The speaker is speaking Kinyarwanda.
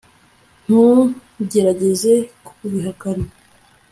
ntugerageze kubihakana